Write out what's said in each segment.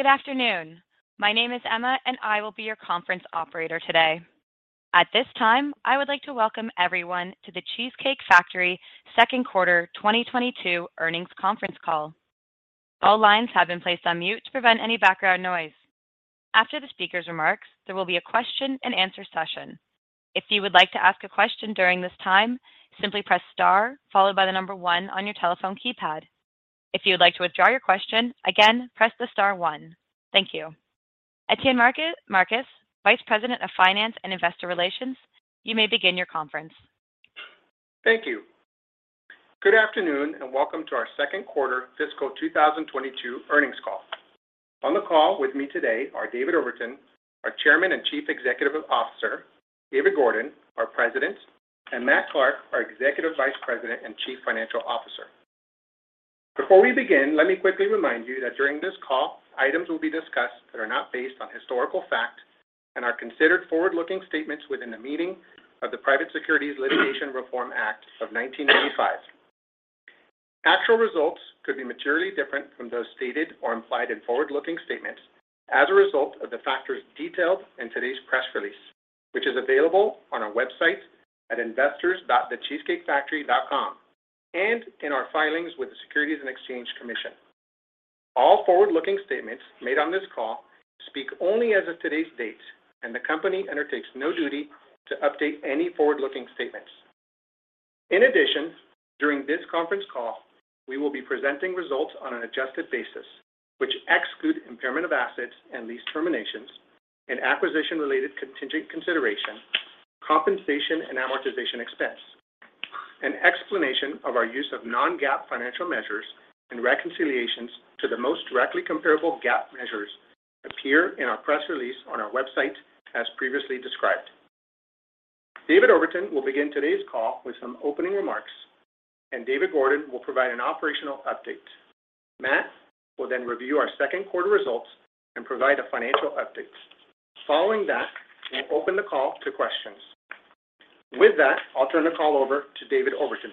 Good afternoon. My name is Emma, and I will be your conference operator today. At this time, I would like to welcome everyone to The Cheesecake Factory second quarter 2022 earnings conference call. All lines have been placed on mute to prevent any background noise. After the speaker's remarks, there will be a question-and-answer session. If you would like to ask a question during this time, simply press star followed by the number one on your telephone keypad. If you would like to withdraw your question, again, press the star one. Thank you. Etienne Marcus, Vice President of Finance and Investor Relations, you may begin your conference. Thank you. Good afternoon, and welcome to our second quarter fiscal 2022 earnings call. On the call with me today are David Overton, our Chairman and Chief Executive Officer, David Gordon, our President, and Matt Clark, our Executive Vice President and Chief Financial Officer. Before we begin, let me quickly remind you that during this call, items will be discussed that are not based on historical fact and are considered forward-looking statements within the meaning of the Private Securities Litigation Reform Act of 1995. Actual results could be materially different from those stated or implied in forward-looking statements as a result of the factors detailed in today's press release, which is available on our website at investors.thecheesecakefactory.com and in our filings with the Securities and Exchange Commission. All forward-looking statements made on this call speak only as of today's date, and the company undertakes no duty to update any forward-looking statements. In addition, during this conference call, we will be presenting results on an adjusted basis, which exclude impairment of assets and lease terminations and acquisition-related contingent consideration, compensation, and amortization expense. An explanation of our use of non-GAAP financial measures and reconciliations to the most directly comparable GAAP measures appear in our press release on our website as previously described. David Overton will begin today's call with some opening remarks, and David Gordon will provide an operational update. Matt will then review our second quarter results and provide a financial update. Following that, we'll open the call to questions. With that, I'll turn the call over to David Overton.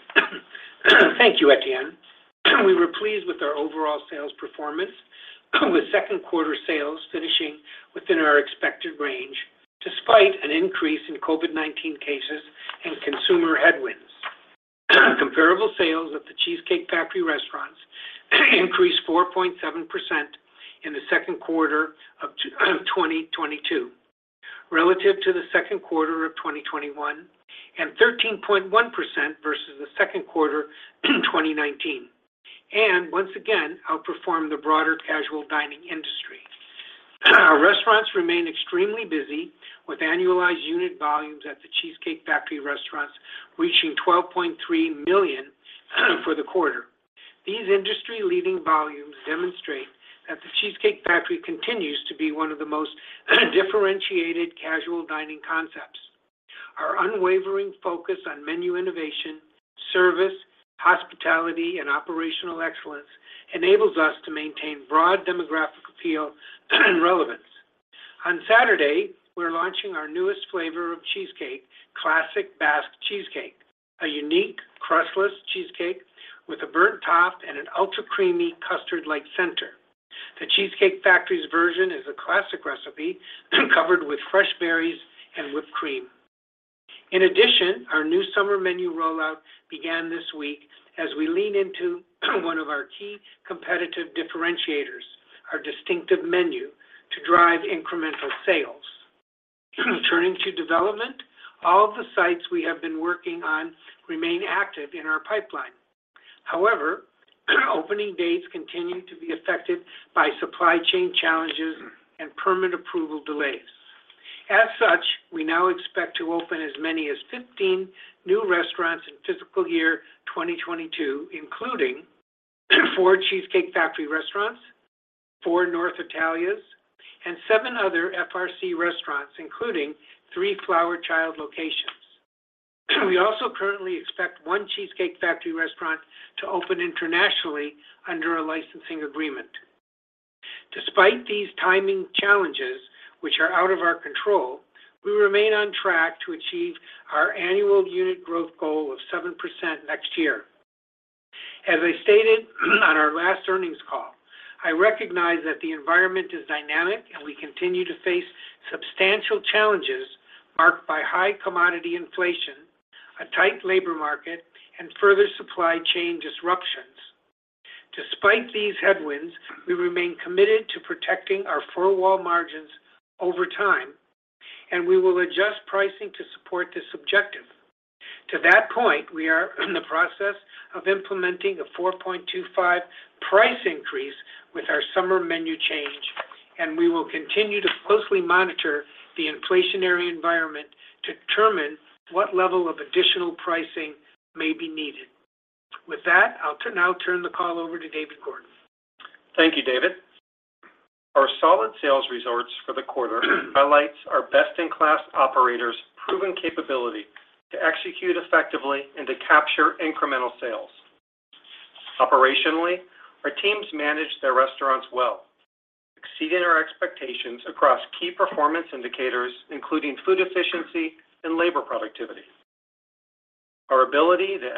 Thank you, Etienne. We were pleased with our overall sales performance, with second quarter sales finishing within our expected range despite an increase in COVID-19 cases and consumer headwinds. Comparable sales at The Cheesecake Factory restaurants increased 4.7% in the second quarter of 2022 relative to the second quarter of 2021, and 13.1% versus the second quarter 2019, and once again outperformed the broader casual dining industry. Our restaurants remain extremely busy with annualized unit volumes at The Cheesecake Factory restaurants reaching 12.3 million for the quarter. These industry-leading volumes demonstrate that The Cheesecake Factory continues to be one of the most differentiated casual dining concepts. Our unwavering focus on menu innovation, service, hospitality, and operational excellence enables us to maintain broad demographic appeal and relevance. On Saturday, we're launching our newest flavor of cheesecake, Classic Basque Cheesecake, a unique crustless cheesecake with a burnt top and an ultra-creamy custard-like center. The Cheesecake Factory's version is a classic recipe covered with fresh berries and whipped cream. In addition, our new summer menu rollout began this week as we lean into one of our key competitive differentiators, our distinctive menu, to drive incremental sales. Turning to development, all of the sites we have been working on remain active in our pipeline. However, opening dates continue to be affected by supply chain challenges and permit approval delays. As such, we now expect to open as many as 15 new restaurants in fiscal year 2022, including four Cheesecake Factory restaurants, four North Italia's, and seven other FRC restaurants, including three Flower Child locations. We also currently expect one Cheesecake Factory restaurant to open internationally under a licensing agreement. Despite these timing challenges, which are out of our control, we remain on track to achieve our annual unit growth goal of 7% next year. As I stated on our last earnings call, I recognize that the environment is dynamic, and we continue to face substantial challenges marked by high commodity inflation, a tight labor market, and further supply chain disruptions. Despite these headwinds, we remain committed to protecting our four-wall margins over time, and we will adjust pricing to support this objective. To that point, we are in the process of implementing a 4.25 price increase with our summer menu change, and we will continue to closely monitor the inflationary environment to determine what level of additional pricing may be needed. With that, I'll turn the call over to David Gordon. Thank you, David. Our solid sales results for the quarter highlights our best-in-class operators' proven capability to execute effectively and to capture incremental sales. Operationally, our teams manage their restaurants well, exceeding our expectations across key performance indicators, including food efficiency and labor productivity. Our ability to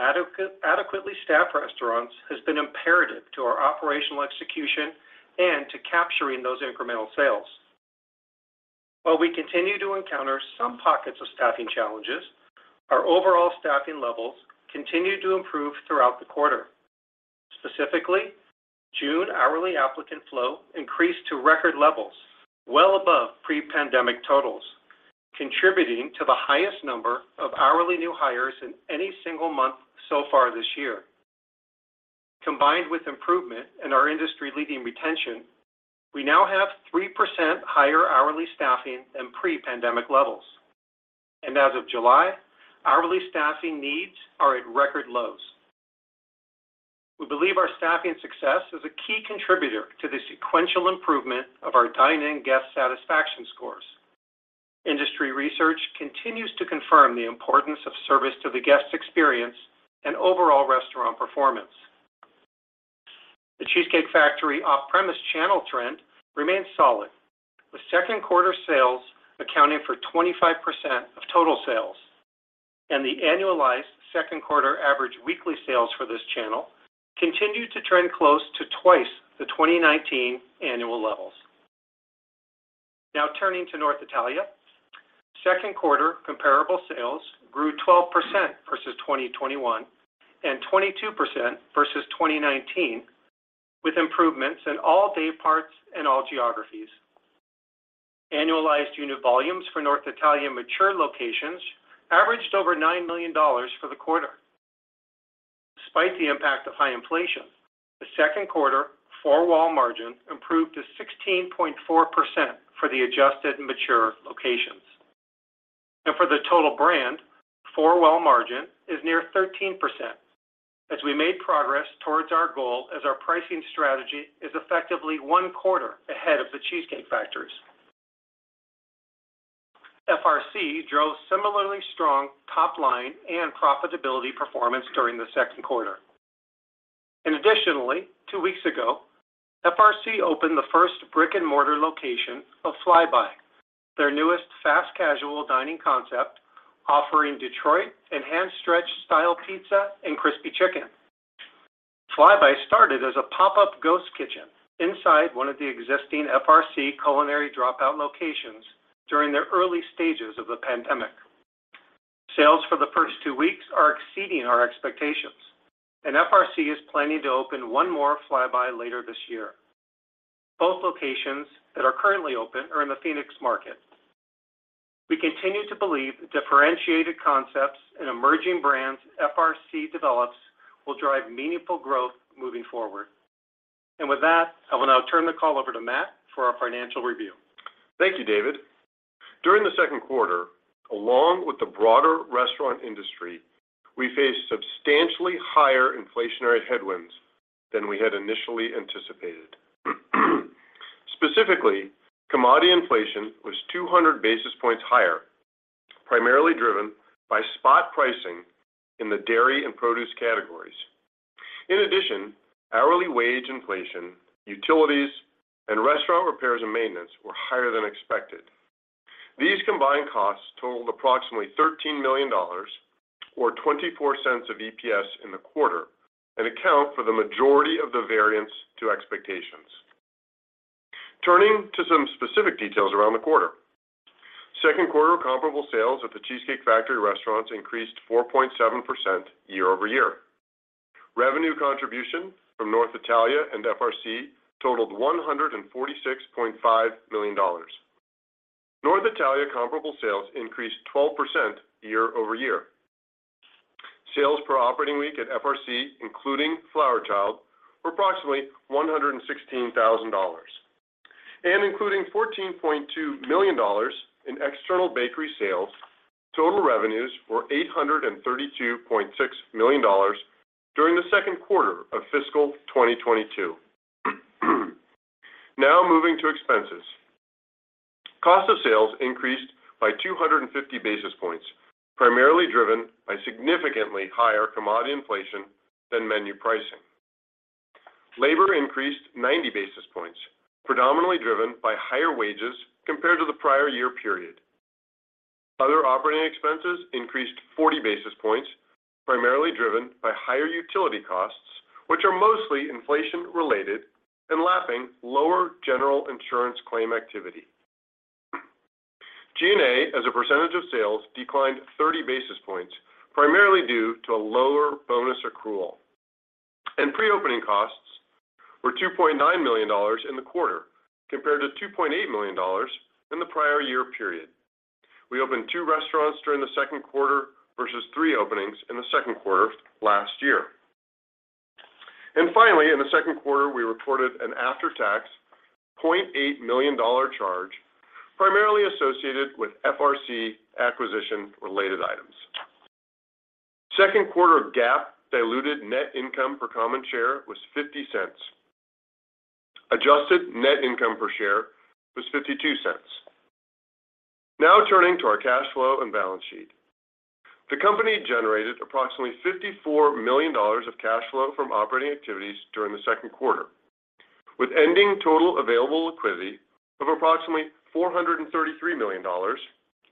adequately staff restaurants has been imperative to our operational execution and to capturing those incremental sales. While we continue to encounter some pockets of staffing challenges, our overall staffing levels continue to improve throughout the quarter. Specifically, June hourly applicant flow increased to record levels, well above pre-pandemic totals, contributing to the highest number of hourly new hires in any single month so far this year. Combined with improvement in our industry-leading retention, we now have 3% higher hourly staffing than pre-pandemic levels. As of July, hourly staffing needs are at record lows. We believe our staffing success is a key contributor to the sequential improvement of our dine-in guest satisfaction scores. Industry research continues to confirm the importance of service to the guest experience and overall restaurant performance. The Cheesecake Factory off-premise channel trend remains solid, with second quarter sales accounting for 25% of total sales, and the annualized second quarter average weekly sales for this channel continued to trend close to twice the 2019 annual levels. Now turning to North Italia. Second quarter comparable sales grew 12% versus 2021, and 22% versus 2019, with improvements in all day parts and all geographies. Annualized unit volumes for North Italia mature locations averaged over $9 million for the quarter. Despite the impact of high inflation, the second quarter four-wall margin improved to 16.4% for the adjusted mature locations. For the total brand, four-wall margin is near 13%, as we made progress towards our goal as our pricing strategy is effectively one quarter ahead of the Cheesecake Factory's. FRC drove similarly strong top line and profitability performance during the second quarter. Additionally, two weeks ago, FRC opened the first brick-and-mortar location of Fly Bye, their newest fast casual dining concept offering Detroit-style pizza and crispy chicken. Fly Bye started as a pop-up ghost kitchen inside one of the existing FRC Culinary Dropout locations during the early stages of the pandemic. Sales for the first two weeks are exceeding our expectations, and FRC is planning to open one more Fly Bye later this year. Both locations that are currently open are in the Phoenix market. We continue to believe differentiated concepts and emerging brands FRC develops will drive meaningful growth moving forward. With that, I will now turn the call over to Matt for our financial review. Thank you, David. During the second quarter, along with the broader restaurant industry, we faced substantially higher inflationary headwinds than we had initially anticipated. Specifically, commodity inflation was 200 basis points higher, primarily driven by spot pricing in the dairy and produce categories. In addition, hourly wage inflation, utilities, and restaurant repairs and maintenance were higher than expected. These combined costs totaled approximately $13 million, or $0.24 of EPS in the quarter, and account for the majority of the variance to expectations. Turning to some specific details around the quarter. Second quarter comparable sales at The Cheesecake Factory restaurants increased 4.7% year-over-year. Revenue contribution from North Italia and FRC totaled $146.5 million. North Italia comparable sales increased 12% year-over-year. Sales per operating week at FRC, including Flower Child, were approximately $116,000. Including $14.2 million in external bakery sales, total revenues were $832.6 million during the second quarter of fiscal 2022. Now, moving to expenses. Cost of sales increased by 250 basis points, primarily driven by significantly higher commodity inflation than menu pricing. Labor increased 90 basis points, predominantly driven by higher wages compared to the prior year period. Other operating expenses increased 40 basis points, primarily driven by higher utility costs, which are mostly inflation-related and lapping lower general insurance claim activity. G&A, as a percentage of sales, declined 30 basis points, primarily due to a lower bonus accrual. Pre-opening costs were $2.9 million in the quarter, compared to $2.8 million in the prior year period. We opened two restaurants during the second quarter versus three openings in the second quarter of last year. Finally, in the second quarter, we reported an after-tax $0.8 million charge, primarily associated with FRC acquisition-related items. Second quarter GAAP diluted net income per common share was $0.50. Adjusted net income per share was $0.52. Now turning to our cash flow and balance sheet. The company generated approximately $54 million of cash flow from operating activities during the second quarter. With ending total available liquidity of approximately $433 million,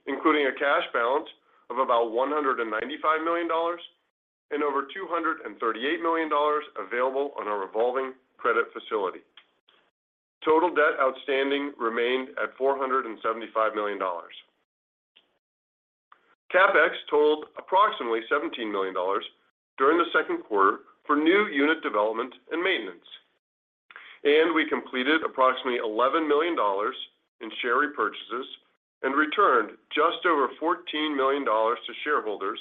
including a cash balance of about $195 million and over $238 million available on our revolving credit facility. Total debt outstanding remained at $475 million. CapEx totaled approximately $17 million during the second quarter for new unit development and maintenance. We completed approximately $11 million in share repurchases and returned just over $14 million to shareholders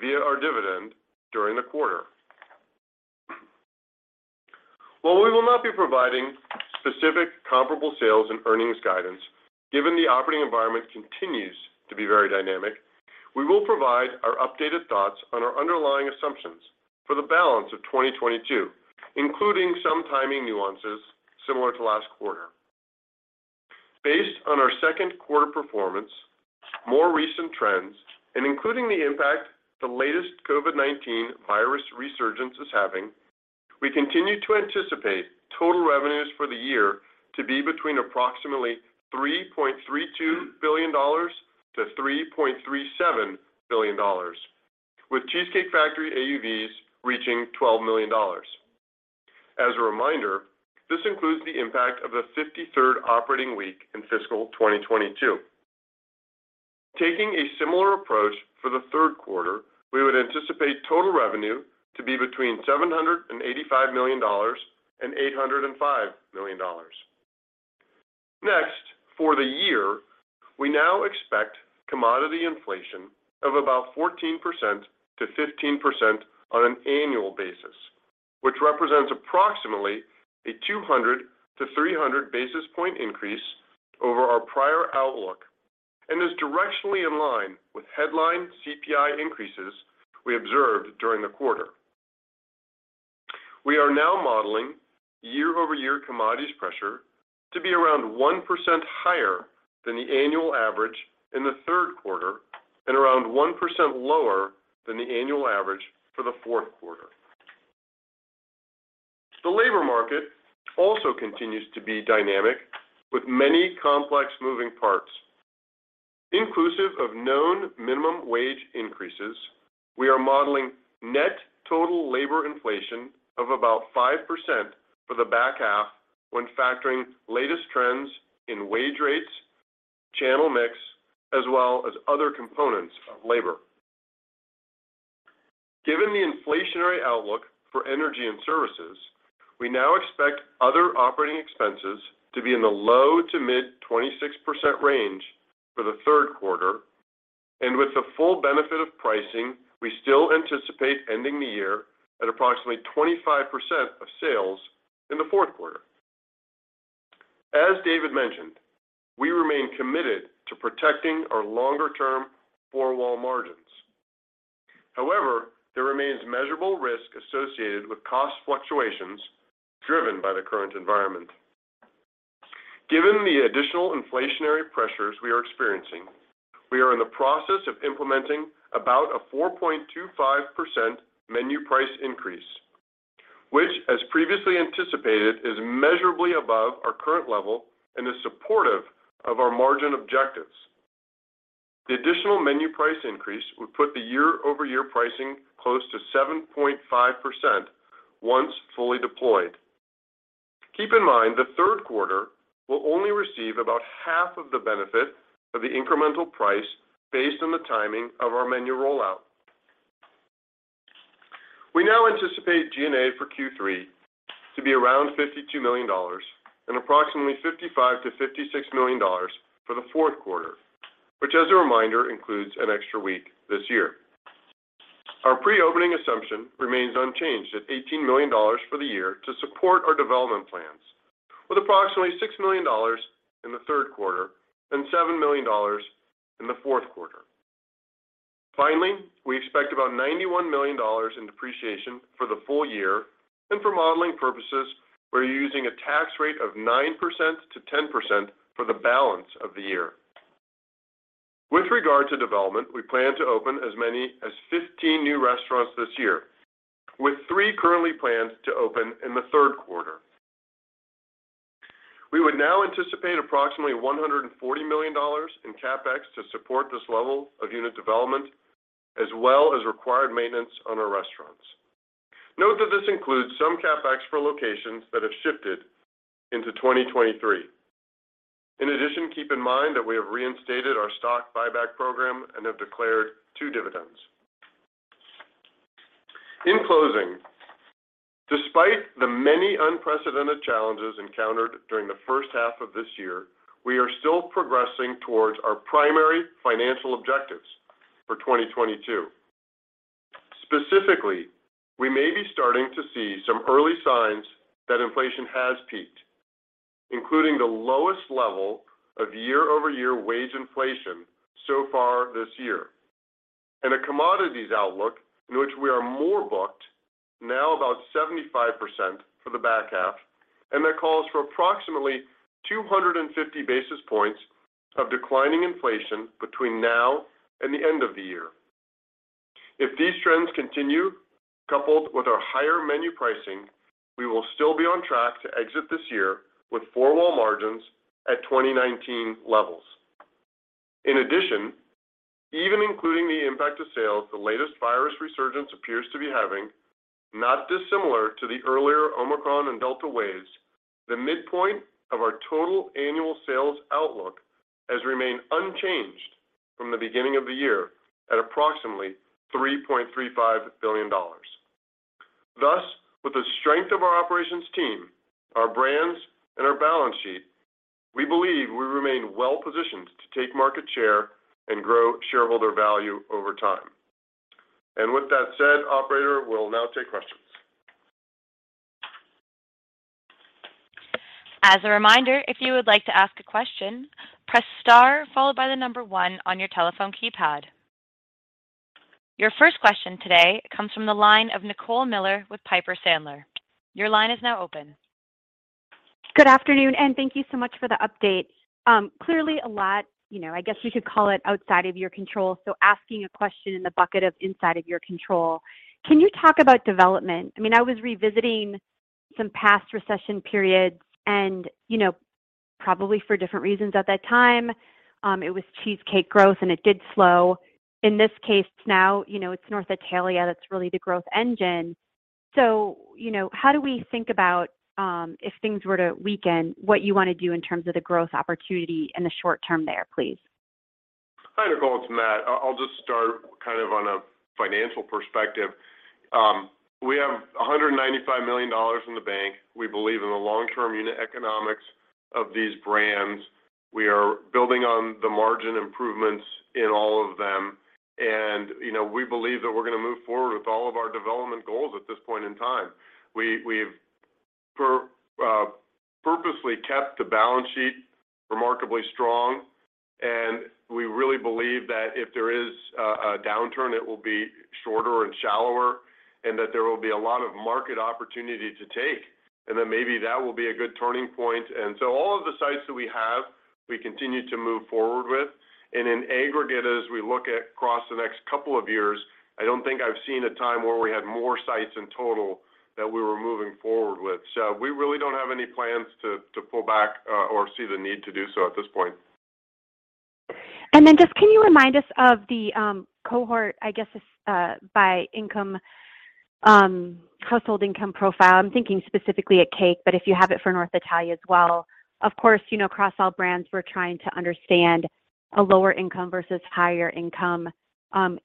via our dividend during the quarter. While we will not be providing specific comparable sales and earnings guidance, given the operating environment continues to be very dynamic, we will provide our updated thoughts on our underlying assumptions for the balance of 2022, including some timing nuances similar to last quarter. Based on our second quarter performance, more recent trends, and including the impact the latest COVID-19 virus resurgence is having, we continue to anticipate total revenues for the year to be between approximately $3.32 billion-$3.37 billion, with Cheesecake Factory AUVs reaching $12 million. As a reminder, this includes the impact of the 53rd operating week in fiscal 2022. Taking a similar approach for the third quarter, we would anticipate total revenue to be between $785 million and $805 million. Next, for the year, we now expect commodity inflation of about 14%-15% on an annual basis, which represents approximately a 200-300 basis point increase over our prior outlook and is directionally in line with headline CPI increases we observed during the quarter. We are now modeling year-over-year commodities pressure to be around 1% higher than the annual average in the third quarter and around 1% lower than the annual average for the fourth quarter. The labor market also continues to be dynamic with many complex moving parts. Inclusive of known minimum wage increases, we are modeling net total labor inflation of about 5% for the back half when factoring latest trends in wage rates, channel mix, as well as other components of labor. Given the inflationary outlook for energy and services, we now expect other operating expenses to be in the low to mid-26% range for the third quarter. With the full benefit of pricing, we still anticipate ending the year at approximately 25% of sales in the fourth quarter. As David mentioned, we remain committed to protecting our longer-term four wall margins. However, there remains measurable risk associated with cost fluctuations driven by the current environment. Given the additional inflationary pressures we are experiencing, we are in the process of implementing about a 4.25% menu price increase, which as previously anticipated, is measurably above our current level and is supportive of our margin objectives. The additional menu price increase would put the year-over-year pricing close to 7.5% once fully deployed. Keep in mind, the third quarter will only receive about half of the benefit of the incremental price based on the timing of our menu rollout. We now anticipate G&A for Q3 to be around $52 million and approximately $55 million-$56 million for the fourth quarter, which as a reminder, includes an extra week this year. Our pre-opening assumption remains unchanged at $18 million for the year to support our development plans, with approximately $6 million in the third quarter and $7 million in the fourth quarter. Finally, we expect about $91 million in depreciation for the full year, and for modeling purposes, we're using a tax rate of 9%-10% for the balance of the year. With regard to development, we plan to open as many as 15 new restaurants this year, with three currently planned to open in the third quarter. We would now anticipate approximately $140 million in CapEx to support this level of unit development, as well as required maintenance on our restaurants. Note that this includes some CapEx for locations that have shifted into 2023. In addition, keep in mind that we have reinstated our stock buyback program and have declared two dividends. In closing, despite the many unprecedented challenges encountered during the first half of this year, we are still progressing towards our primary financial objectives for 2022. Specifically, we may be starting to see some early signs that inflation has peaked, including the lowest level of year-over-year wage inflation so far this year, and a commodities outlook in which we are more booked now about 75% for the back half, and that calls for approximately 250 basis points of declining inflation between now and the end of the year. If these trends continue, coupled with our higher menu pricing, we will still be on track to exit this year with four wall margins at 2019 levels. In addition, even including the impact on sales, the latest virus resurgence appears to be having, not dissimilar to the earlier Omicron and Delta waves. The midpoint of our total annual sales outlook has remained unchanged from the beginning of the year at approximately $3.35 billion. Thus, with the strength of our operations team, our brands, and our balance sheet, we believe we remain well positioned to take market share and grow shareholder value over time. With that said, operator, we'll now take questions. As a reminder, if you would like to ask a question, press star followed by the number one on your telephone keypad. Your first question today comes from the line of Nicole Miller Regan with Piper Sandler. Your line is now open. Good afternoon, and thank you so much for the update. Clearly a lot, you know, I guess we could call it outside of your control. Asking a question in the bucket of inside of your control, can you talk about development? I mean, I was revisiting some past recession periods and, you know, probably for different reasons at that time, it was Cheesecake growth, and it did slow. In this case now, you know, it's North Italia that's really the growth engine. You know, how do we think about, if things were to weaken what you want to do in terms of the growth opportunity in the short term there, please? Hi, Nicole. It's Matt. I'll just start kind of on a financial perspective. We have $195 million in the bank. We believe in the long term unit economics of these brands. We are building on the margin improvements in all of them. You know, we believe that we're going to move forward with all of our development goals at this point in time. We've purposely kept the balance sheet remarkably strong, and we really believe that if there is a downturn, it will be shorter and shallower and that there will be a lot of market opportunity to take, and then maybe that will be a good turning point. All of the sites that we have, we continue to move forward with. In aggregate, as we look across the next couple of years, I don't think I've seen a time where we had more sites in total that we were moving forward with. We really don't have any plans to pull back or see the need to do so at this point. Just, can you remind us of the cohort, I guess, by income, household income profile? I'm thinking specifically at Cheesecake, but if you have it for North Italia as well. Of course, you know, across all brands, we're trying to understand a lower income versus higher income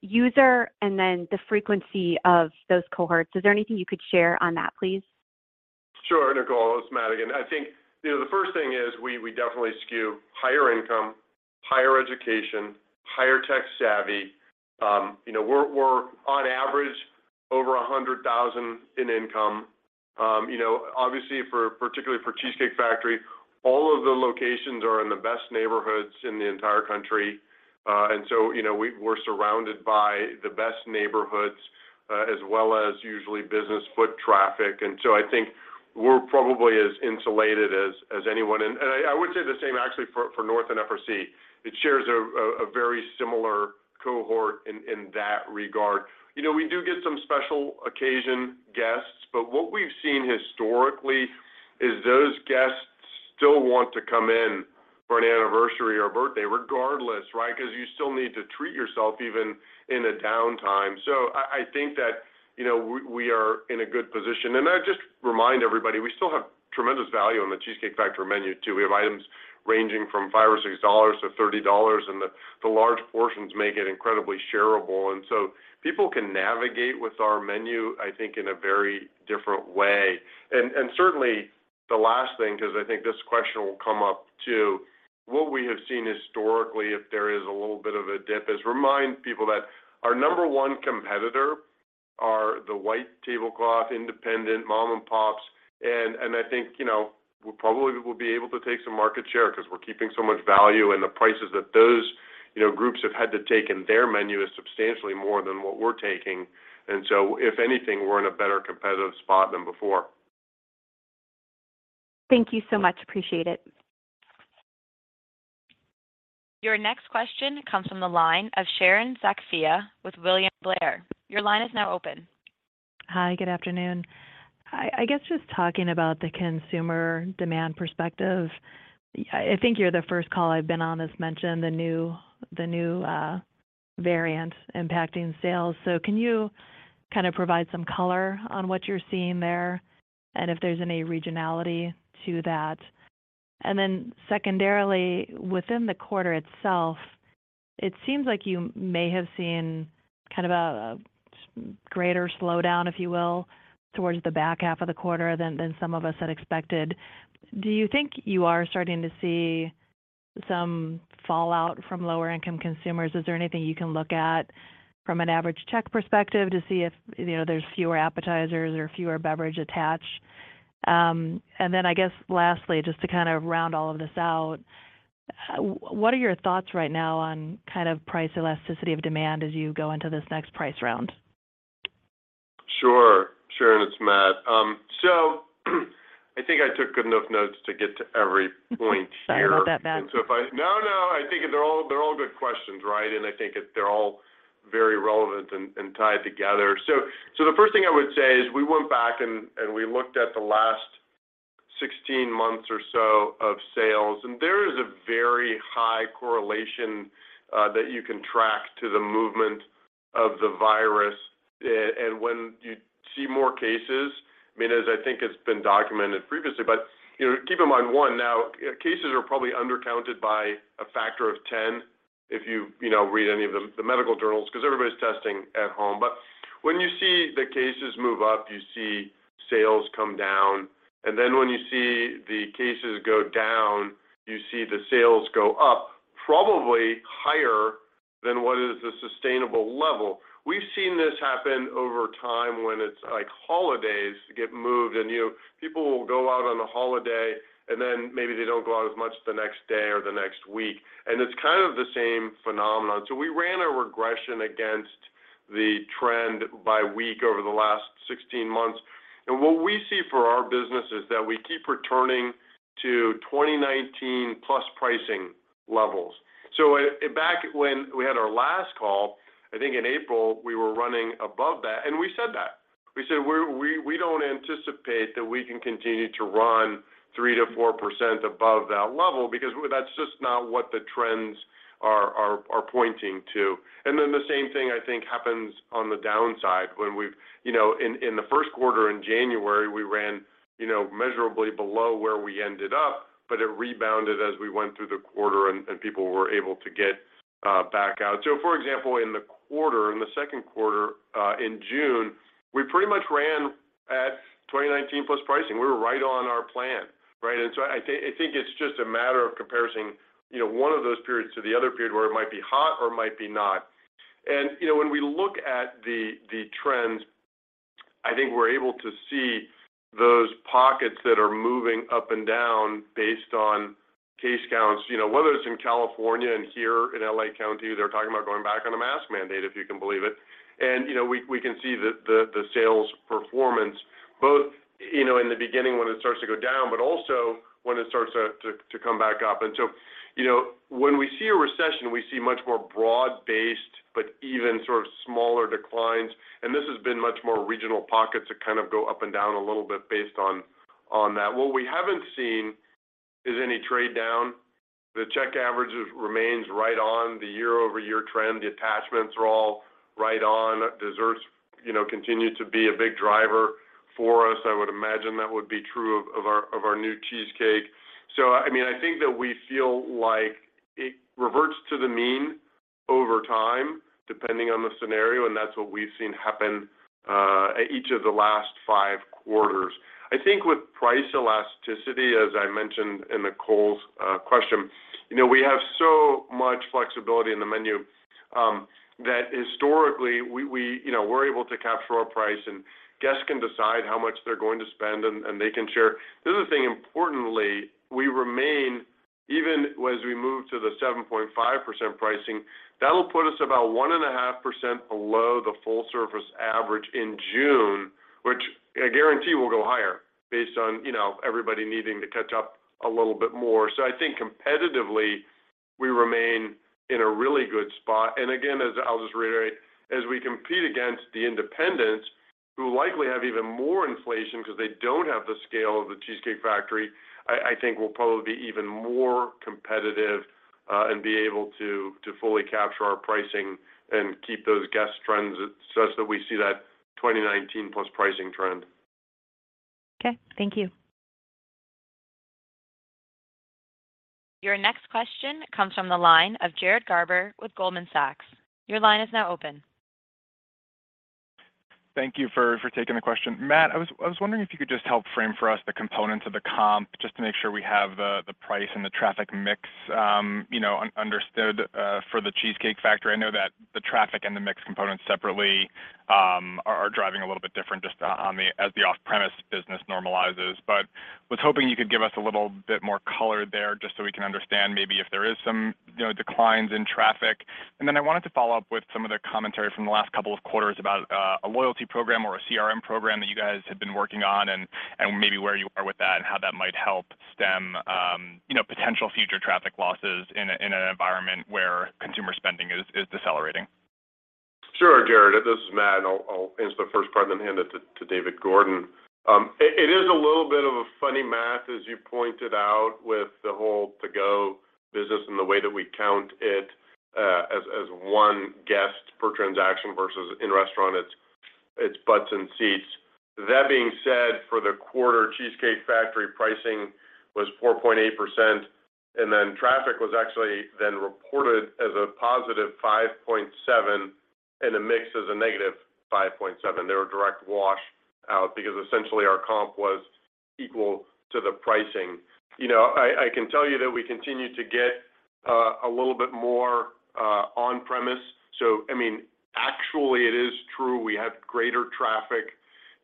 user and then the frequency of those cohorts. Is there anything you could share on that, please? Sure, Nicole. It's Matt again. I think, you know, the first thing is we definitely skew higher income, higher education, higher tech savvy. You know, we're on average over $100,000 in income. You know, obviously, particularly for Cheesecake Factory, all of the locations are in the best neighborhoods in the entire country. And so, you know, we're surrounded by the best neighborhoods, as well as usually business foot traffic. I would say the same actually for North Italia and FRC. It shares a very similar cohort in that regard. You know, we do get some special occasion guests, but what we've seen historically is those guests still want to come in for an anniversary or birthday regardless, right? Because you still need to treat yourself even in a downtime. I think that, you know, we are in a good position. I just remind everybody, we still have tremendous value on The Cheesecake Factory menu, too. We have items ranging from $5 or $6 to $30, and the large portions make it incredibly shareable. People can navigate with our menu, I think, in a very different way. Certainly the last thing, because I think this question will come up, too, what we have seen historically, if there is a little bit of a dip, is remind people that our number one competitor are the white tablecloth independent mom and pops. I think, you know, we probably will be able to take some market share because we're keeping so much value and the prices that those, you know, groups have had to take in their menu is substantially more than what we're taking. If anything, we're in a better competitive spot than before. Thank you so much. Appreciate it. Your next question comes from the line of Sharon Zackfia with William Blair. Your line is now open. Hi, good afternoon. I guess just talking about the consumer demand perspective, I think you're the first call I've been on that's mentioned the new variant impacting sales. Can you kind of provide some color on what you're seeing there and if there's any regionality to that? Secondarily, within the quarter itself, it seems like you may have seen kind of a greater slowdown, if you will, towards the back half of the quarter than some of us had expected. Do you think you are starting to see some fallout from lower income consumers? Is there anything you can look at from an average check perspective to see if, you know, there's fewer appetizers or fewer beverages attached? I guess lastly, just to kind of round all of this out, what are your thoughts right now on kind of price elasticity of demand as you go into this next price round? Sure. Sharon, it's Matt. I think I took good enough notes to get to every point here. Sorry about that, Matt. No, no. I think they're all good questions, right? I think they're all very relevant and tied together. The first thing I would say is we went back and we looked at the last 16 months or so of sales, and there is a very high correlation that you can track to the movement of the virus. And when you see more cases, I mean, as I think it's been documented previously. You know, keep in mind, one, now cases are probably undercounted by a factor of 10 if you read any of the medical journals, because everybody's testing at home. When you see the cases move up, you see sales come down. Then when you see the cases go down, you see the sales go up probably higher than what is the sustainable level. We've seen this happen over time when it's like holidays get moved and, you know, people will go out on a holiday and then maybe they don't go out as much the next day or the next week. It's kind of the same phenomenon. We ran a regression against the trend by week over the last 16 months. What we see for our business is that we keep returning to 2019 plus pricing levels. Back when we had our last call, I think in April, we were running above that, and we said that. We said, "We don't anticipate that we can continue to run 3%-4% above that level because that's just not what the trends are pointing to." Then the same thing I think happens on the downside when we've. You know, in the first quarter in January, we ran, you know, measurably below where we ended up, but it rebounded as we went through the quarter and people were able to get back out. For example, in the second quarter in June, we pretty much ran at 2019 plus pricing. We were right on our plan, right? I think it's just a matter of comparison, you know, one of those periods to the other period where it might be hot or it might be not. You know, when we look at the trends, I think we're able to see those pockets that are moving up and down based on case counts, you know, whether it's in California and here in L.A. County, they're talking about going back on a mask mandate, if you can believe it. You know, we can see the sales performance both, you know, in the beginning when it starts to go down, but also when it starts to come back up. You know, when we see a recession, we see much more broad-based, but even sort of smaller declines. This has been much more regional pockets that kind of go up and down a little bit based on that. What we haven't seen is any trade down. The check average remains right on the year-over-year trend. The attachments are all right on. Desserts, you know, continue to be a big driver for us. I would imagine that would be true of our new cheesecake. I mean, I think that we feel like it reverts to the mean over time, depending on the scenario, and that's what we've seen happen at each of the last five quarters. I think with price elasticity, as I mentioned in the Nicole's question, you know, we have so much flexibility in the menu, that historically, we you know, we're able to capture our price and guests can decide how much they're going to spend and they can share. The other thing, importantly, we remain even as we move to the 7.5% pricing, that'll put us about 1.5% below the full service average in June, which I guarantee will go higher based on, you know, everybody needing to catch up a little bit more. I think competitively, we remain in a really good spot. Again, as I'll just reiterate, as we compete against the independents who likely have even more inflation because they don't have the scale of The Cheesecake Factory, I think we'll probably be even more competitive, and be able to to fully capture our pricing and keep those guest trends such that we see that 2019 plus pricing trend. Okay, thank you. Your next question comes from the line of Jared Garber with Goldman Sachs. Your line is now open. Thank you for taking the question. Matt, I was wondering if you could just help frame for us the components of the comp, just to make sure we have the price and the traffic mix, you know, understood, for The Cheesecake Factory. I know that the traffic and the mix components separately are driving a little bit different as the off-premise business normalizes. I was hoping you could give us a little bit more color there just so we can understand maybe if there is some, you know, declines in traffic. I wanted to follow up with some of the commentary from the last couple of quarters about a loyalty program or a CRM program that you guys have been working on and maybe where you are with that and how that might help stem you know potential future traffic losses in an environment where consumer spending is decelerating. Sure, Jared. This is Matt, and I'll answer the first part then hand it to David Gordon. It is a little bit of a funny math, as you pointed out with the whole to-go business and the way that we count it, as one guest per transaction versus in restaurant, it's butts in seats. That being said, for the quarter, Cheesecake Factory pricing was 4.8%, and then traffic was actually then reported as a +5.7%, and the mix is a -5.7%. They were direct wash out because essentially our comp was equal to the pricing. You know, I can tell you that we continue to get a little bit more on premise. I mean, actually it is true we have greater traffic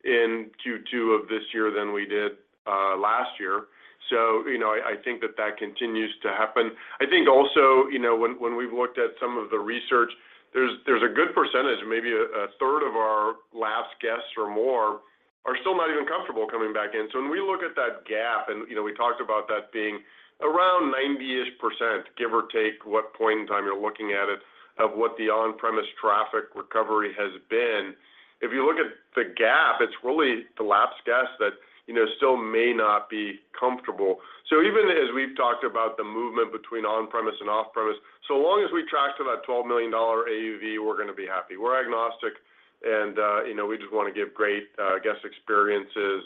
in Q2 of this year than we did last year. You know, I think that continues to happen. I think also, you know, when we've looked at some of the research, there's a good percentage, maybe a third of our lapsed guests or more are still not even comfortable coming back in. When we look at that gap and, you know, we talked about that being around 90%-ish, give or take what point in time you're looking at it, of what the on-premise traffic recovery has been. If you look at the gap, it's really the lapsed guests that, you know, still may not be comfortable. Even as we've talked about the movement between on-premise and off-premise, so long as we track to that $12 million AUV, we're gonna be happy. We're agnostic and, you know, we just wanna give great guest experiences.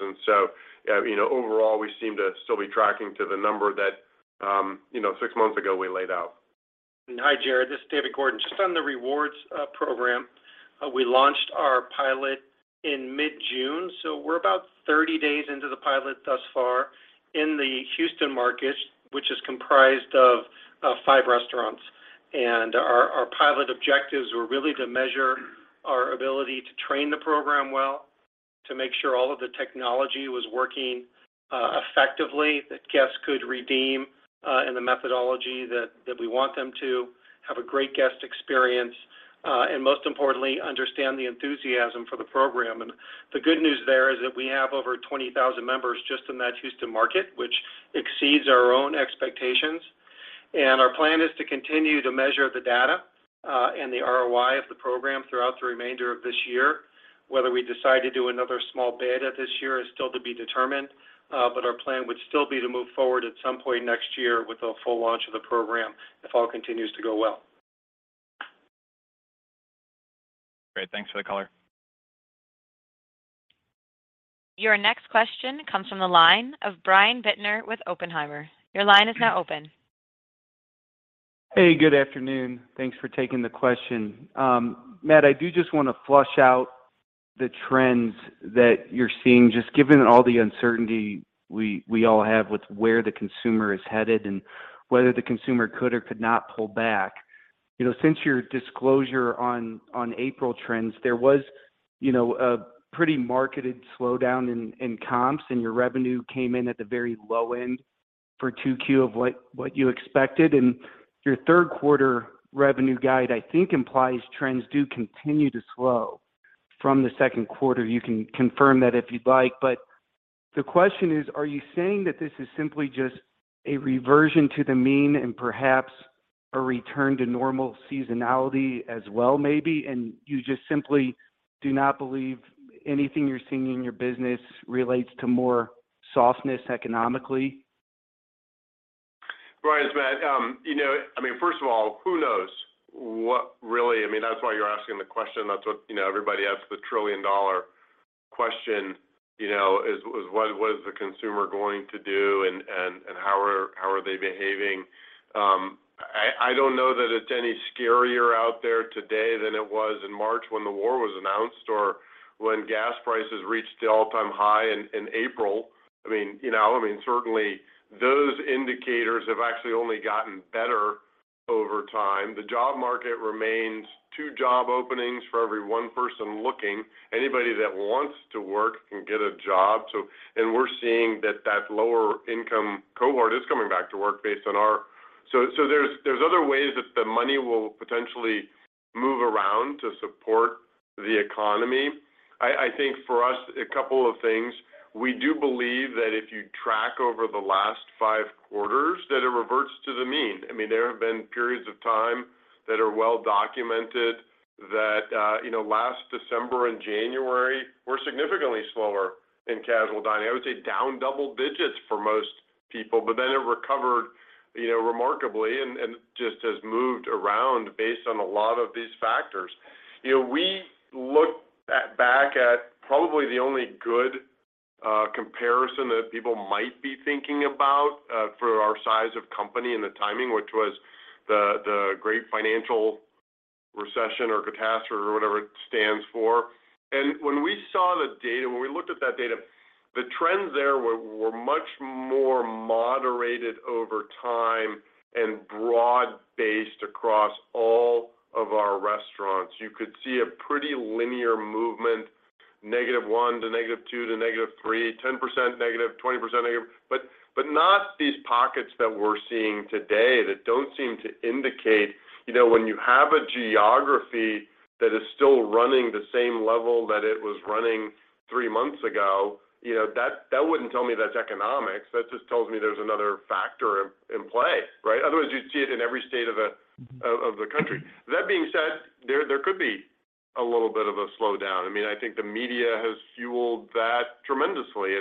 Overall, we seem to still be tracking to the number that, you know, six months ago we laid out. Hi, Jared. This is David Gordon. Just on the rewards program, we launched our pilot in mid-June, so we're about 30 days into the pilot thus far in the Houston market, which is comprised of five restaurants. Our pilot objectives were really to measure our ability to train the program well, to make sure all of the technology was working effectively, that guests could redeem in the methodology that we want them to, have a great guest experience, and most importantly, understand the enthusiasm for the program. The good news there is that we have over 20,000 members just in that Houston market, which exceeds our own expectations. Our plan is to continue to measure the data and the ROI of the program throughout the remainder of this year. Whether we decide to do another small beta this year is still to be determined, but our plan would still be to move forward at some point next year with the full launch of the program if all continues to go well. Great. Thanks for the color. Your next question comes from the line of Brian Bittner with Oppenheimer. Your line is now open. Hey, good afternoon. Thanks for taking the question. Matt, I do just want to flesh out the trends that you're seeing, just given all the uncertainty we all have with where the consumer is headed and whether the consumer could or could not pull back. You know, since your disclosure on April trends, there was, you know, a pretty marked slowdown in comps, and your revenue came in at the very low end for 2Q of what you expected. Your third quarter revenue guide, I think, implies trends do continue to slow from the second quarter. You can confirm that if you'd like. The question is, are you saying that this is simply just a reversion to the mean and perhaps a return to normal seasonality as well maybe, and you just simply do not believe anything you're seeing in your business relates to more softness economically? Brian, it's Matt. You know, I mean, first of all, who knows what really. I mean, that's why you're asking the question. That's what, you know, everybody asks the trillion dollar question, you know, is what is the consumer going to do and how are they behaving. I don't know that it's any scarier out there today than it was in March when the war was announced or when gas prices reached the all-time high in April. I mean, you know, I mean, certainly those indicators have actually only gotten better over time. The job market remains two job openings for every one person looking. Anybody that wants to work can get a job. We're seeing that lower income cohort is coming back to work based on our. There's other ways that the money will potentially move around to support the economy. I think for us, a couple of things. We do believe that if you track over the last five quarters, that it reverts to the mean. I mean, there have been periods of time that are well documented that you know, last December and January were significantly slower in casual dining. I would say down double digits for most people, but then it recovered you know, remarkably and just has moved around based on a lot of these factors. You know, we look back at probably the only good comparison that people might be thinking about for our size of company and the timing, which was the great financial recession or catastrophe or whatever it stands for. When we saw the data, when we looked at that data, the trends there were much more moderated over time and broad-based across all of our restaurants. You could see a pretty linear movement, -1% to -2% to -3%, -10%, -20%. Not these pockets that we're seeing today that don't seem to indicate. You know, when you have a geography that is still running the same level that it was running three months ago, you know, that wouldn't tell me that's economics. That just tells me there's another factor in play, right? Otherwise, you'd see it in every state of the country. That being said, there could be a little bit of a slowdown. I mean, I think the media has fueled that tremendously.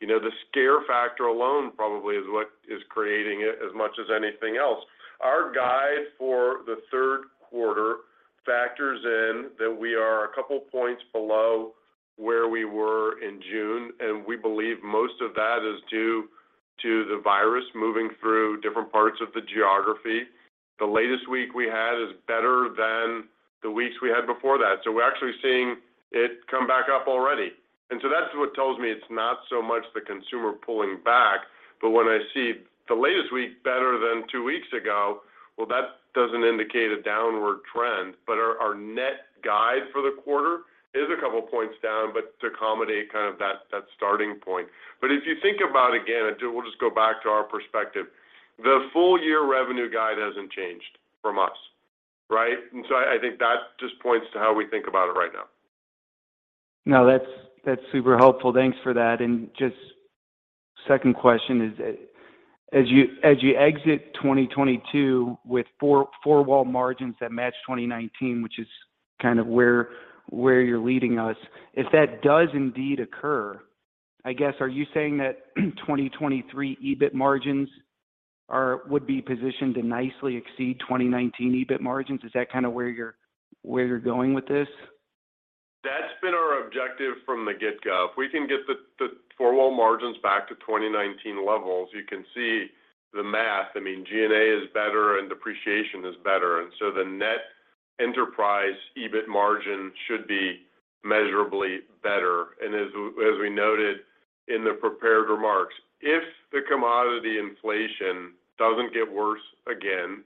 You know, the scare factor alone probably is what is creating it as much as anything else. Our guide for the third quarter factors in that we are a couple points below where we were in June, and we believe most of that is due to the virus moving through different parts of the geography. The latest week we had is better than the weeks we had before that. We're actually seeing it come back up already. That's what tells me it's not so much the consumer pulling back, but when I see the latest week better than two weeks ago, well, that doesn't indicate a downward trend. Our net guide for the quarter is a couple points down, but to accommodate kind of that starting point. If you think about, again, and we'll just go back to our perspective, the full year revenue guide hasn't changed from us, right? I think that just points to how we think about it right now. No, that's super helpful. Thanks for that. Just second question is, as you exit 2022 with four-wall margins that match 2019, which is kind of where you're leading us. If that does indeed occur, I guess, are you saying that 2023 EBIT margins would be positioned to nicely exceed 2019 EBIT margins? Is that kind of where you're going with this? That's been our objective from the get-go. If we can get the four wall margins back to 2019 levels, you can see the math. I mean, G&A is better, and depreciation is better, and so the net enterprise EBIT margin should be measurably better. As we noted in the prepared remarks, if the commodity inflation doesn't get worse again,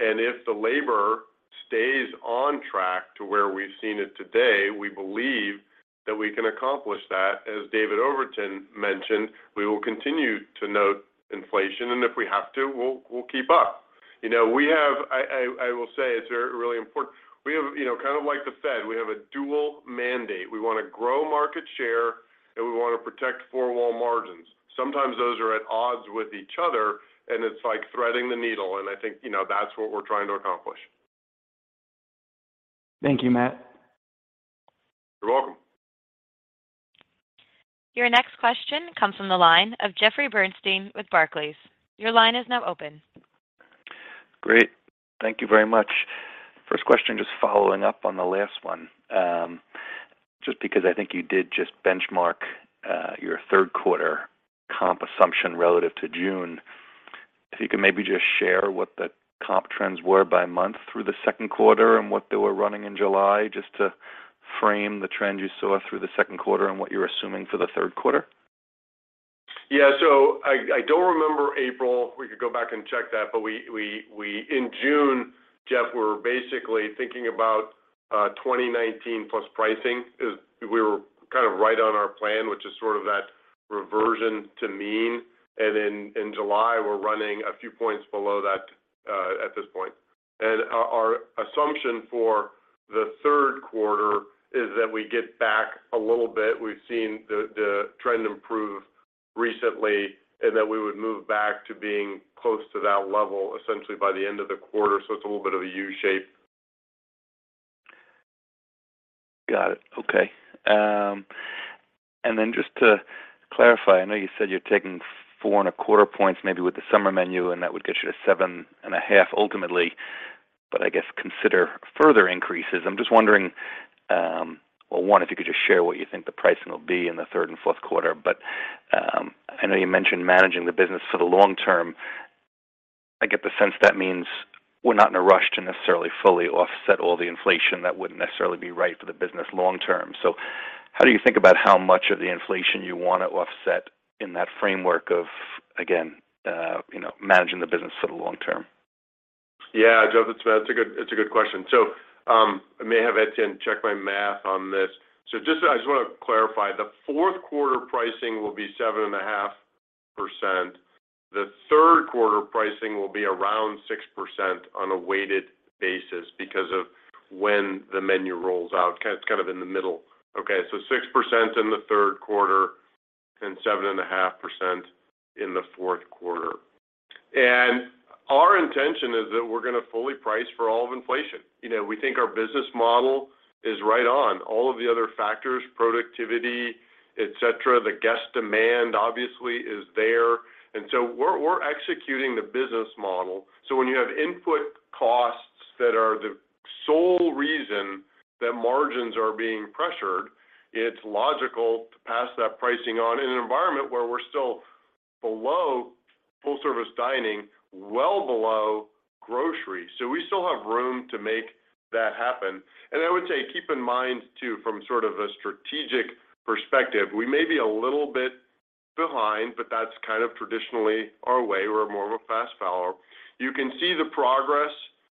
and if the labor stays on track to where we've seen it today, we believe that we can accomplish that. As David Overton mentioned, we will continue to note inflation, and if we have to, we'll keep up. You know, we have I will say it's very, really important. We have, you know, kind of like the Fed, we have a dual mandate. We wanna grow market share, and we wanna protect four wall margins. Sometimes those are at odds with each other, and it's like threading the needle, and I think, you know, that's what we're trying to accomplish. Thank you, Matt. You're welcome. Your next question comes from the line of Jeffrey Bernstein with Barclays. Your line is now open. Great. Thank you very much. First question, just following up on the last one. Just because I think you did just benchmark your third quarter comp assumption relative to June. If you could maybe just share what the comp trends were by month through the second quarter and what they were running in July, just to frame the trend you saw through the second quarter and what you're assuming for the third quarter. Yeah. I don't remember April. We could go back and check that, but in June, Jeff, we're basically thinking about 2019 plus pricing as we were kind of right on our plan, which is sort of that reversion to mean. In July, we're running a few points below that at this point. Our assumption for the third quarter is that we get back a little bit. We've seen the trend improve recently, and that we would move back to being close to that level essentially by the end of the quarter. It's a little bit of a U-shape. Got it. Okay, and then just to clarify, I know you said you're taking 4.25 points maybe with the summer menu, and that would get you to 7.5 ultimately. I guess consider further increases. I'm just wondering, well, one, if you could just share what you think the pricing will be in the third and fourth quarter. I know you mentioned managing the business for the long term. I get the sense that means we're not in a rush to necessarily fully offset all the inflation that wouldn't necessarily be right for the business long term. How do you think about how much of the inflation you want to offset in that framework of, again, you know, managing the business for the long term? Yeah. Jeff, it's a good question. I may have Etienne check my math on this. I just wanna clarify, the fourth quarter pricing will be 7.5%. The third quarter pricing will be around 6% on a weighted basis because of when the menu rolls out. It's kind of in the middle. Okay. So 6% in the third quarter and 7.5% in the fourth quarter. Our intention is that we're gonna fully price for all of inflation. You know, we think our business model is right on. All of the other factors, productivity, etc., the guest demand obviously is there. We're executing the business model. When you have input costs that are the sole reason that margins are being pressured, it's logical to pass that pricing on in an environment where we're still below full service dining, well below grocery. We still have room to make that happen. I would say keep in mind too, from sort of a strategic perspective, we may be a little bit behind, but that's kind of traditionally our way. We're more of a fast follower. You can see the progress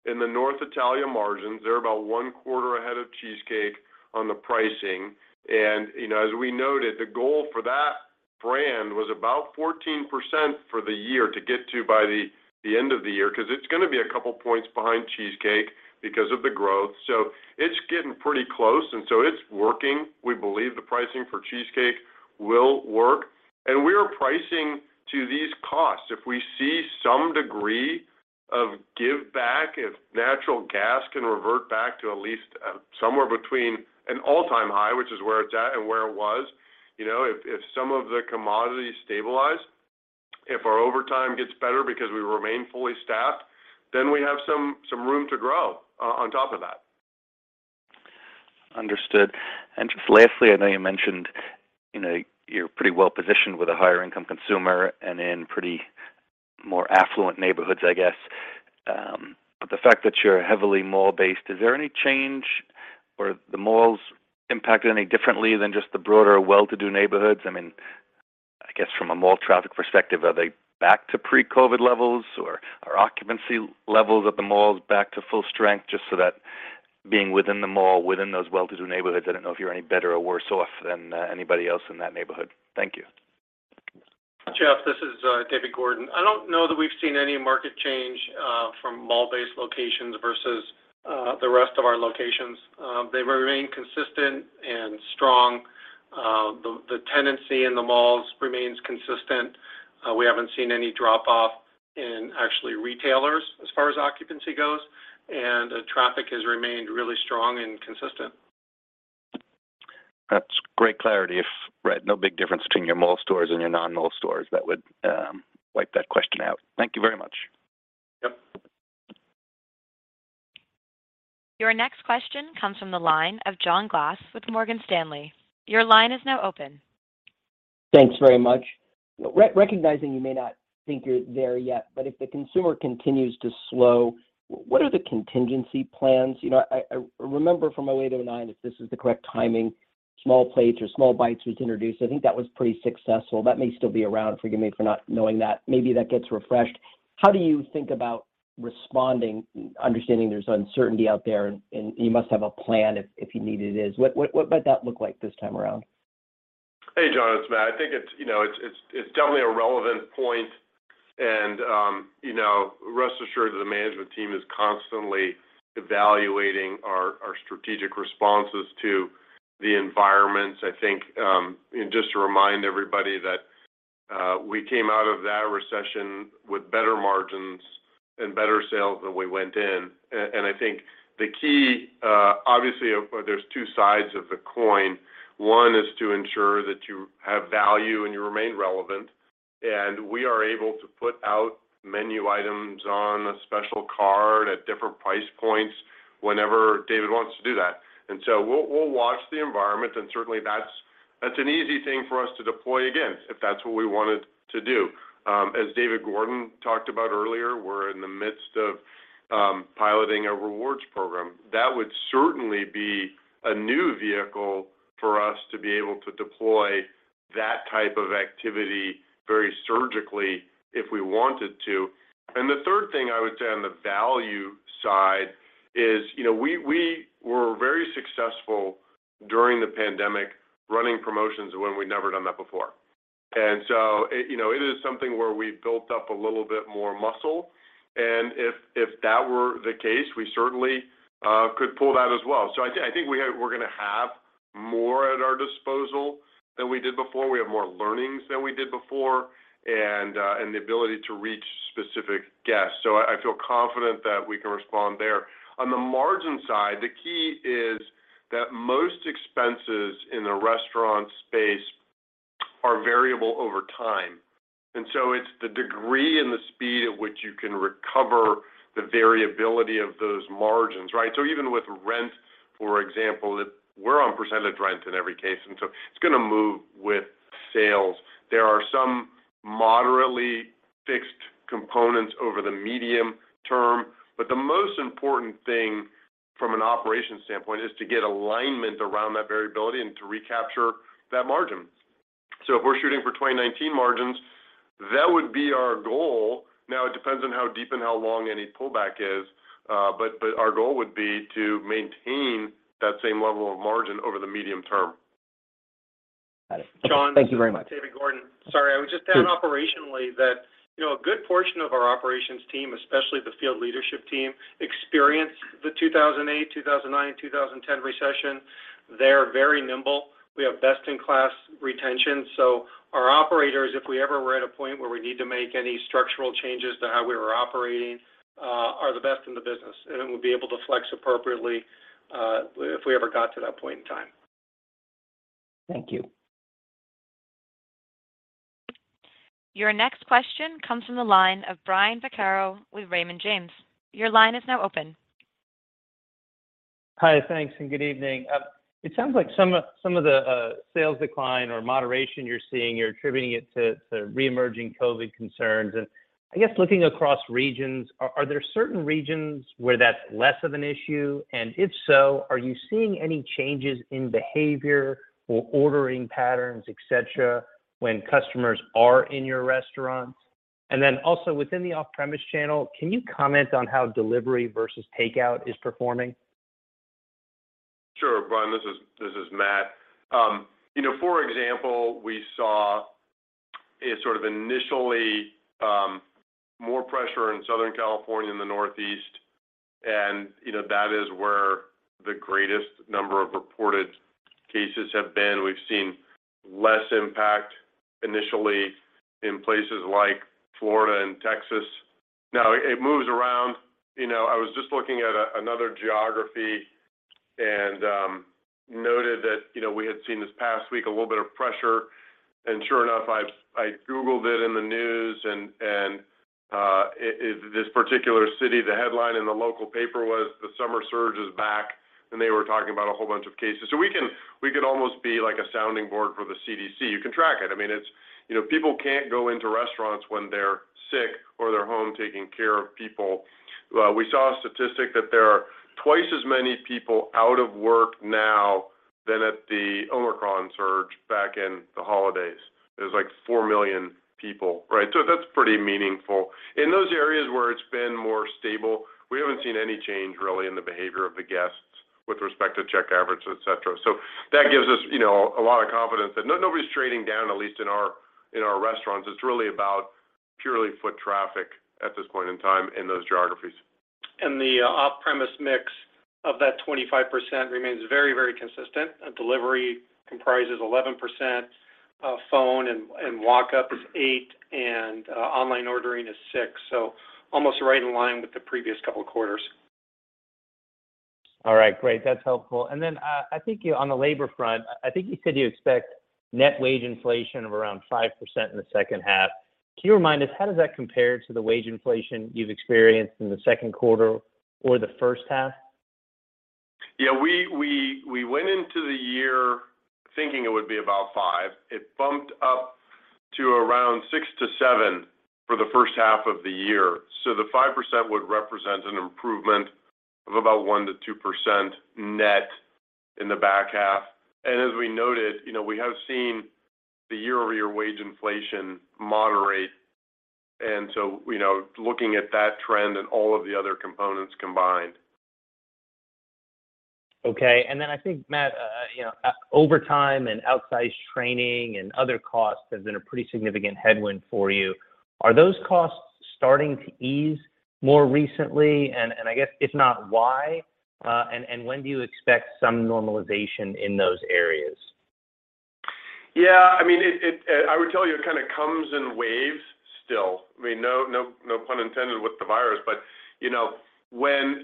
in the North Italia margins. They're about one quarter ahead of Cheesecake on the pricing. You know, as we noted, the goal for that brand was about 14% for the year to get to by the end of the year, 'cause it's gonna be a couple points behind Cheesecake because of the growth. It's getting pretty close, and so it's working. We believe the pricing for Cheesecake will work. We are pricing to these costs. If we see some degree of give back, if natural gas can revert back to at least, somewhere between an all-time high, which is where it's at and where it was, you know, if some of the commodities stabilize, if our overtime gets better because we remain fully staffed, then we have some room to grow on top of that. Understood. Just lastly, I know you mentioned, you know, you're pretty well positioned with a higher income consumer and in pretty more affluent neighborhoods, I guess. But the fact that you're heavily mall-based, is there any change or the malls impacted any differently than just the broader well-to-do neighborhoods? I mean, I guess from a mall traffic perspective, are they back to pre-COVID levels or are occupancy levels at the malls back to full strength just so that being within the mall, within those well-to-do neighborhoods, I don't know if you're any better or worse off than anybody else in that neighborhood. Thank you. Jeff, this is David Gordon. I don't know that we've seen any market change from mall-based locations versus the rest of our locations. They remain consistent and strong. The tenancy in the malls remains consistent. We haven't seen any drop off in actually retailers as far as occupancy goes, and traffic has remained really strong and consistent. That's great clarity. Right, no big difference between your mall stores and your non-mall stores. That would wipe that question out. Thank you very much. Yep. Your next question comes from the line of John Glass with Morgan Stanley. Your line is now open. Thanks very much. Recognizing you may not think you're there yet, but if the consumer continues to slow, what are the contingency plans? You know, I remember from 2008 to 2009, if this is the correct timing, small plates or small bites was introduced. I think that was pretty successful. That may still be around. Forgive me for not knowing that. Maybe that gets refreshed. How do you think about responding, understanding there's uncertainty out there and you must have a plan if you need it is. What might that look like this time around? Hey, John, it's Matt. I think it's, you know, it's definitely a relevant point. You know, rest assured that the management team is constantly evaluating our strategic responses to the environment. I think, just to remind everybody that we came out of that recession with better margins and better sales than we went in. I think the key, obviously, there's two sides of the coin. One is to ensure that you have value and you remain relevant. We are able to put out menu items on a special card at different price points whenever David wants to do that. We'll watch the environment and certainly that's an easy thing for us to deploy again, if that's what we wanted to do. As David Gordon talked about earlier, we're in the midst of piloting a rewards program. That would certainly be a new vehicle for us to be able to deploy that type of activity very surgically if we wanted to. The third thing I would say on the value side is, you know, we were very successful during the pandemic running promotions when we'd never done that before. You know, it is something where we built up a little bit more muscle. If that were the case, we certainly could pull that as well. I think we're gonna have more at our disposal than we did before. We have more learnings than we did before and the ability to reach specific guests. I feel confident that we can respond there. On the margin side, the key is that most expenses in the restaurant space are variable over time. It's the degree and the speed at which you can recover the variability of those margins, right? Even with rent, for example, we're on percentage rent in every case, and so it's gonna move with sales. There are some moderately fixed components over the medium term, but the most important thing from an operations standpoint is to get alignment around that variability and to recapture that margin. If we're shooting for 2019 margins, that would be our goal. Now, it depends on how deep and how long any pullback is, but our goal would be to maintain that same level of margin over the medium term. Got it. Okay. Thank you very much. John, this is David Gordon. Sorry. I would just add operationally that, you know, a good portion of our operations team, especially the field leadership team, experienced the 2008, 2009, 2010 recession. They're very nimble. We have best-in-class retention. Our operators, if we ever were at a point where we need to make any structural changes to how we were operating, are the best in the business, and then we'll be able to flex appropriately, if we ever got to that point in time. Thank you. Your next question comes from the line of Brian Vaccaro with Raymond James. Your line is now open. Hi. Thanks, and good evening. It sounds like some of the sales decline or moderation you're seeing, you're attributing it to reemerging COVID-19 concerns. I guess looking across regions, are there certain regions where that's less of an issue? If so, are you seeing any changes in behavior or ordering patterns, etc., when customers are in your restaurants? Then also within the off-premise channel, can you comment on how delivery versus takeout is performing? Sure, Brian. This is Matt. You know, for example, we saw a sort of initially more pressure in Southern California and the Northeast. You know, that is where the greatest number of reported cases have been. We've seen less impact initially in places like Florida and Texas. Now, it moves around. You know, I was just looking at another geography and noted that, you know, we had seen this past week a little bit of pressure. Sure enough, I googled it in the news and this particular city, the headline in the local paper was, The Summer Surge Is Back. They were talking about a whole bunch of cases. We could almost be like a sounding board for the CDC. You can track it. I mean, it's. You know, people can't go into restaurants when they're sick or they're home taking care of people. We saw a statistic that there are twice as many people out of work now than at the Omicron surge back in the holidays. It was like 4 million people, right? So that's pretty meaningful. In those areas where it's been more stable, we haven't seen any change really in the behavior of the guests with respect to check average, et cetera. So that gives us, you know, a lot of confidence that nobody's trading down, at least in our, in our restaurants. It's really about purely foot traffic at this point in time in those geographies. The off-premise mix of that 25% remains very, very consistent, and delivery comprises 11%, phone and walk-up is 8%, and online ordering is 6%. Almost right in line with the previous couple of quarters. All right. Great. That's helpful. I think on the labor front, I think you said you expect net wage inflation of around 5% in the second half. Can you remind us, how does that compare to the wage inflation you've experienced in the second quarter or the first half? Yeah. We went into the year thinking it would be about 5%. It bumped up to around 6%-7% for the first half of the year. The 5% would represent an improvement of about 1%-2% net in the back half. As we noted, you know, we have seen the year-over-year wage inflation moderate, and so, you know, looking at that trend and all of the other components combined. Okay. Then I think, Matt, you know, overtime and outsized training and other costs has been a pretty significant headwind for you. Are those costs starting to ease more recently? I guess, if not, why? When do you expect some normalization in those areas? Yeah. I mean, I would tell you it kind of comes in waves still. I mean, no pun intended with the virus. You know, when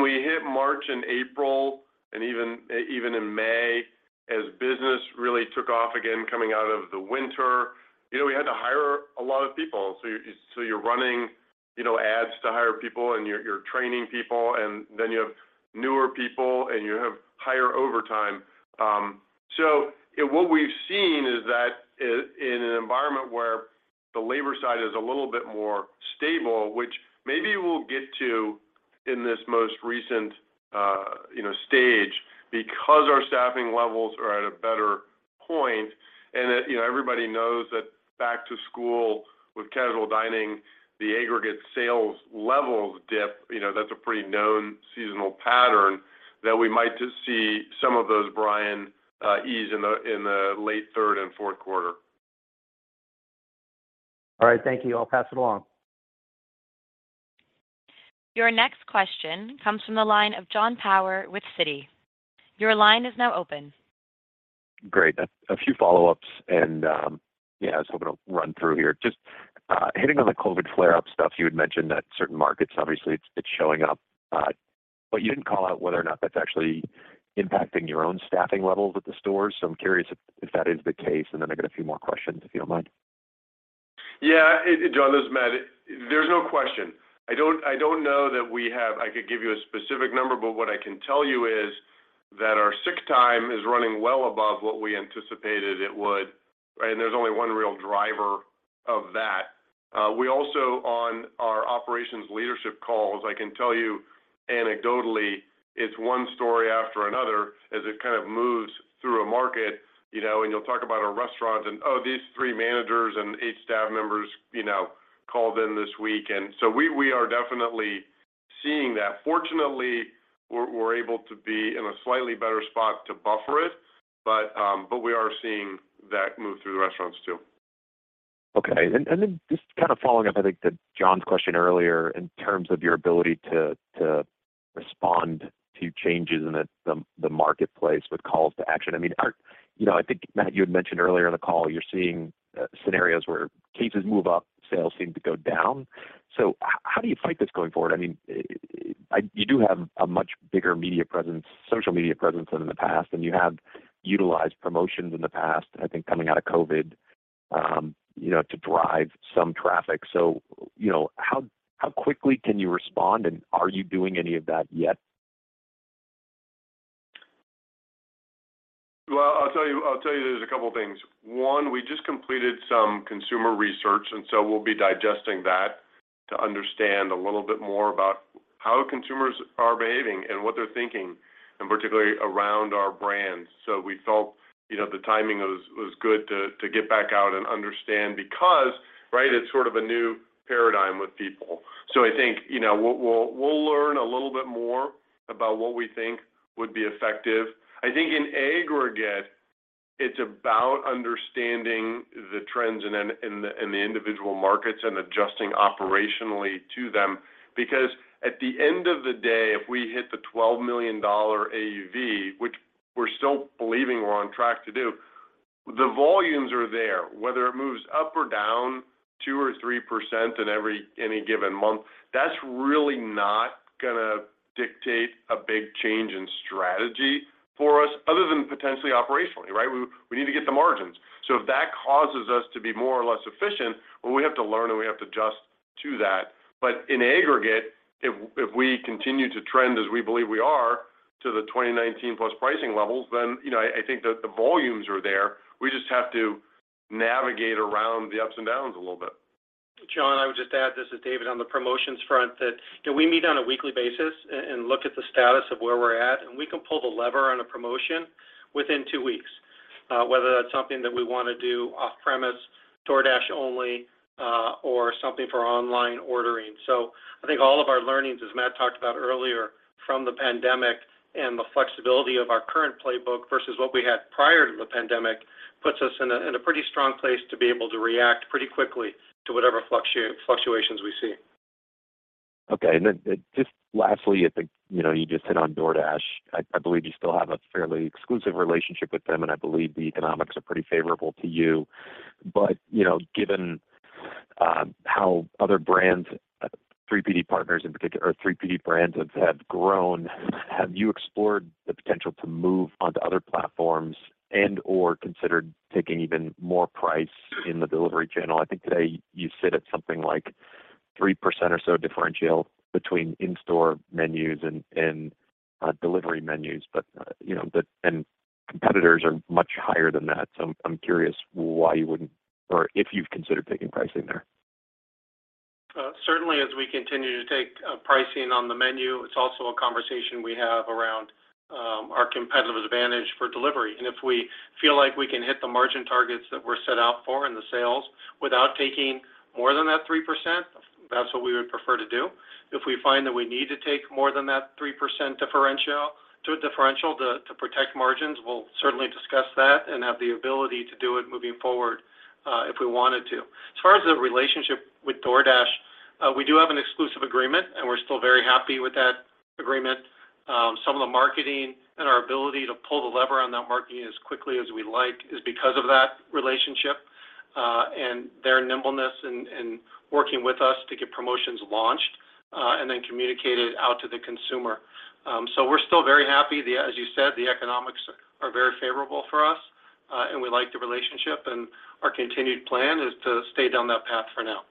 we hit March and April, and even in May, as business really took off again coming out of the winter, you know, we had to hire a lot of people. You're running, you know, ads to hire people and you're training people, and then you have newer people and you have higher overtime. What we've seen is that in an environment where the labor side is a little bit more stable, which maybe we'll get to in this most recent stage because our staffing levels are at a better point and that, you know, everybody knows that back to school with casual dining, the aggregate sales levels dip, you know, that's a pretty known seasonal pattern, that we might just see some of those, Brian, ease in the late third and fourth quarter. All right. Thank you. I'll pass it along. Your next question comes from the line of Jon Tower with Citi. Your line is now open. Great. A few follow-ups and, yeah, I was hoping to run through here. Just, hitting on the COVID flare-up stuff, you had mentioned that certain markets, obviously it's showing up. But you didn't call out whether or not that's actually impacting your own staffing levels at the stores. I'm curious if that is the case, and then I got a few more questions, if you don't mind. Yeah. Jon, this is Matt. There's no question. I don't know that we have. I could give you a specific number, but what I can tell you is that our sick time is running well above what we anticipated it would, right? There's only one real driver of that. We also, on our operations leadership calls, I can tell you anecdotally, it's one story after another as it kind of moves through a market, you know, and you'll talk about a restaurant and, "Oh, these three managers and eight staff members, you know, called in this week." We are definitely seeing that. Fortunately, we're able to be in a slightly better spot to buffer it, but we are seeing that move through the restaurants too. Okay. Just kind of following up, I think, to John's question earlier in terms of your ability to respond to changes in the marketplace with calls to action. I mean, you know, I think, Matt, you had mentioned earlier in the call you're seeing scenarios where cases move up, sales seem to go down. How do you fight this going forward? I mean, you do have a much bigger media presence, social media presence than in the past, and you have utilized promotions in the past, I think, coming out of COVID, you know, to drive some traffic. You know, how quickly can you respond, and are you doing any of that yet? Well, I'll tell you there's a couple things. One, we just completed some consumer research, and so we'll be digesting that to understand a little bit more about how consumers are behaving and what they're thinking, and particularly around our brands. We felt, you know, the timing was good to get back out and understand because, right, it's sort of a new paradigm with people. I think, you know, we'll learn a little bit more about what we think would be effective. I think in aggregate, it's about understanding the trends in the individual markets and adjusting operationally to them. Because at the end of the day, if we hit the $12 million AUV, which we're still believing we're on track to do, the volumes are there. Whether it moves up or down 2% or 3% in any given month, that's really not gonna dictate a big change in strategy for us other than potentially operationally, right? We need to get the margins. If that causes us to be more or less efficient, well, we have to learn and we have to adjust to that. In aggregate, if we continue to trend as we believe we are to the 2019 plus pricing levels, then, you know, I think that the volumes are there. We just have to navigate around the ups and downs a little bit. Jon, I would just add, this is David, on the promotions front that, you know, we meet on a weekly basis and look at the status of where we're at, and we can pull the lever on a promotion within two weeks. Whether that's something that we wanna do off-premise, DoorDash only, or something for online ordering. I think all of our learnings, as Matt talked about earlier, from the pandemic and the flexibility of our current playbook versus what we had prior to the pandemic, puts us in a pretty strong place to be able to react pretty quickly to whatever fluctuations we see. Okay. Just lastly, I think, you know, you just hit on DoorDash. I believe you still have a fairly exclusive relationship with them, and I believe the economics are pretty favorable to you. You know, given how other brands, 3PD partners in particular, or 3PD brands have grown, have you explored the potential to move onto other platforms and/or considered taking even more price in the delivery channel? I think today you sit at something like 3% or so differential between in-store menus and delivery menus. You know, competitors are much higher than that. I'm curious why you wouldn't or if you've considered taking pricing there. Certainly as we continue to take pricing on the menu, it's also a conversation we have around our competitive advantage for delivery. If we feel like we can hit the margin targets that we're set out for in the sales without taking more than that 3%, that's what we would prefer to do. If we find that we need to take more than that 3% differential to protect margins, we'll certainly discuss that and have the ability to do it moving forward, if we wanted to. As far as the relationship with DoorDash, we do have an exclusive agreement, and we're still very happy with that agreement. Some of the marketing and our ability to pull the lever on that marketing as quickly as we like is because of that relationship, and their nimbleness in working with us to get promotions launched, and then communicated out to the consumer. So we're still very happy. As you said, the economics are very favorable for us, and we like the relationship. Our continued plan is to stay down that path for now.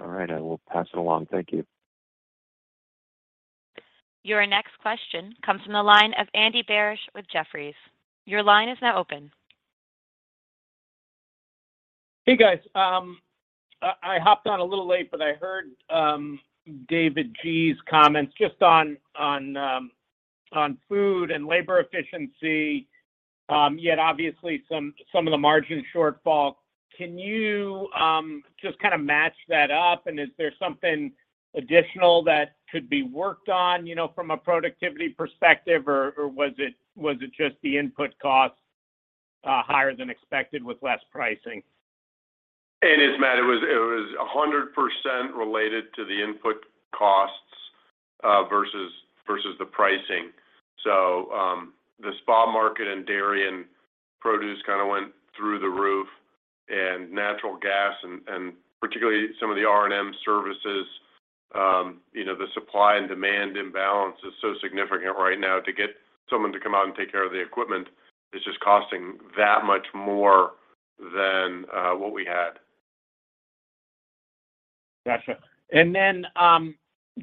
All right. I will pass it along. Thank you. Your next question comes from the line of Andy Barish with Jefferies. Your line is now open. Hey, guys. I hopped on a little late, but I heard David Gordon's comments just on food and labor efficiency, yet obviously some of the margin shortfall. Can you just kinda match that up? Is there something additional that could be worked on, you know, from a productivity perspective? Was it just the input costs higher than expected with less pricing? It is, Matt. It was 100% related to the input costs versus the pricing. The spot market and dairy and produce kinda went through the roof, and natural gas and particularly some of the R&M services, you know, the supply and demand imbalance is so significant right now to get someone to come out and take care of the equipment. It's just costing that much more than what we had. Gotcha.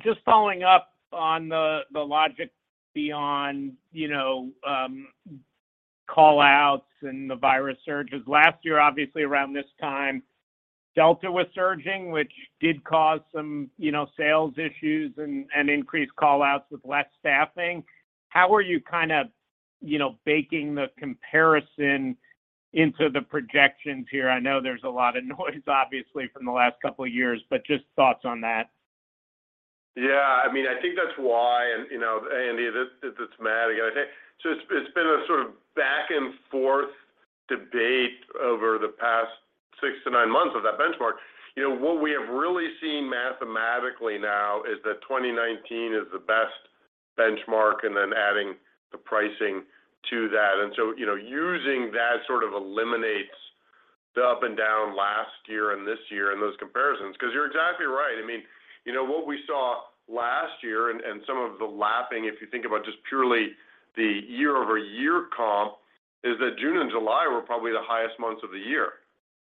Just following up on the logic beyond, you know, call-outs and the virus surges. Last year, obviously around this time, Delta was surging, which did cause some sales issues and increased call-outs with less staffing. How are you kind of baking the comparison into the projections here? I know there's a lot of noise obviously from the last couple of years, but just thoughts on that. Yeah. I mean, I think that's why, and, you know, Andy, it's Matt again. It's been a sort of back and forth debate over the past six to nine months of that benchmark. You know, what we have really seen mathematically now is that 2019 is the best benchmark and then adding the pricing to that. You know, using that sort of eliminates the up and down last year and this year and those comparisons because you're exactly right. I mean, you know, what we saw last year and some of the lapping, if you think about just purely the year-over-year comp, is that June and July were probably the highest months of the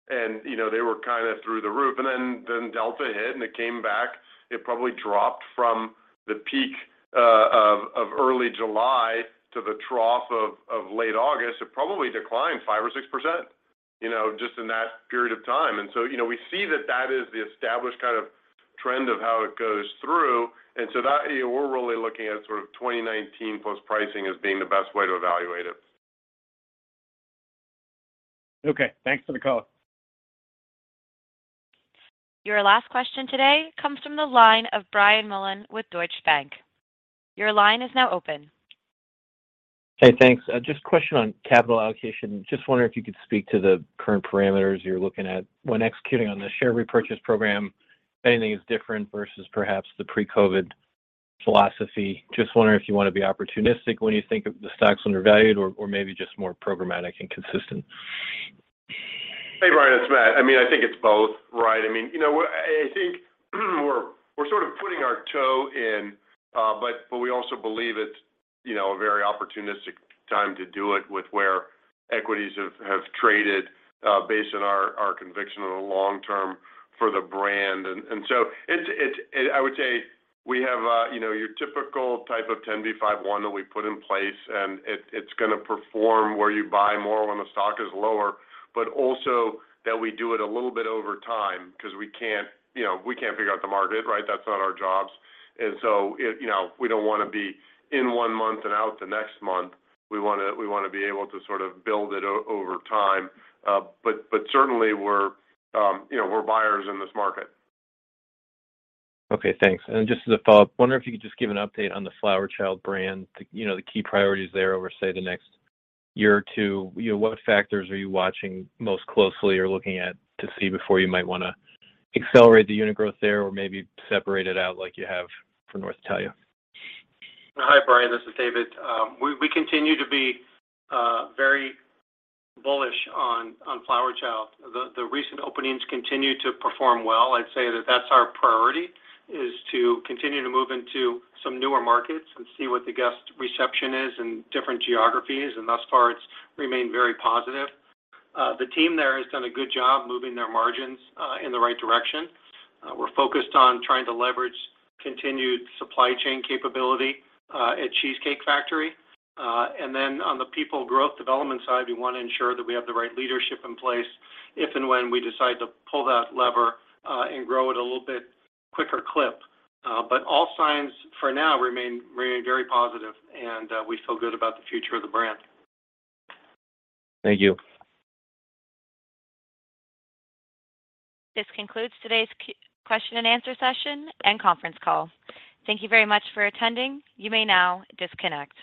year. You know, they were kinda through the roof. Then Delta hit, and it came back. It probably dropped from the peak of early July to the trough of late August. It probably declined 5% or 6%, you know, just in that period of time. You know, we're really looking at sort of 2019 plus pricing as being the best way to evaluate it. Okay. Thanks for the call. Your last question today comes from the line of Brian Mullan with Deutsche Bank. Your line is now open. Hey, thanks. Just a question on capital allocation. Just wondering if you could speak to the current parameters you're looking at when executing on the share repurchase program, if anything is different versus perhaps the pre-COVID philosophy. Just wondering if you wanna be opportunistic when you think of the stocks when they're valued or maybe just more programmatic and consistent. Hey, Brian, it's Matt. I mean, I think it's both, right? I mean, you know what? I think we're sort of putting our toe in, but we also believe it's you know, a very opportunistic time to do it with where equities have traded based on our conviction on the long term for the brand. I would say we have your typical type 10b5-1 of that we put in place, and it's gonna perform where you buy more when the stock is lower, but also that we do it a little bit over time 'cause we can't figure out the market, right? That's not our jobs. We don't wanna be in one month and out the next month. We wanna be able to sort of build it over time. Certainly we're, you know, we're buyers in this market. Okay, thanks. Just as a follow-up, wonder if you could just give an update on the Flower Child brand, the, you know, the key priorities there over, say, the next year or two. You know, what factors are you watching most closely or looking at to see before you might wanna accelerate the unit growth there or maybe separate it out like you have for North Italia? Hi, Brian, this is David. We continue to be very bullish on Flower Child. The recent openings continue to perform well. I'd say that that's our priority, is to continue to move into some newer markets and see what the guest reception is in different geographies. Thus far, it's remained very positive. The team there has done a good job moving their margins in the right direction. We're focused on trying to leverage continued supply chain capability at The Cheesecake Factory. On the people growth development side, we wanna ensure that we have the right leadership in place if and when we decide to pull that lever and grow it a little bit quicker clip. All signs for now remain very positive, and we feel good about the future of the brand. Thank you. This concludes today's question and answer session and conference call. Thank you very much for attending. You may now disconnect.